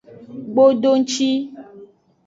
Gbodongci.